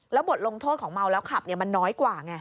บทลงโทษของเมาแล้วขับมันน้อยกว่าไง